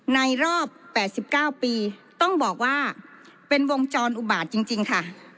ในรอบ๘๙ปีต้องบอกว่าเป็นวงจรอุบาตจริงค่ะ